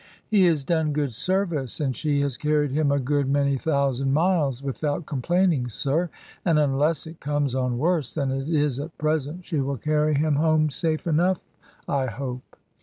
"He has done good service, and she has carried him a good many thousand miles without complaining, sir, and, unless it comes on worse than it is at present, she will carry him home safe enough, I hope."